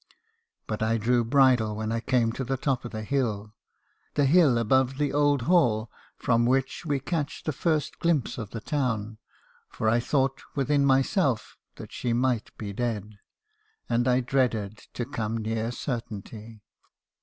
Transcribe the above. "But I drew bridle when I came to the top of the hill — the hill above the old hall, from which we catch the first glimpse of the town , for I thought within myself that she might be dead ; and I dreaded to come near certainty.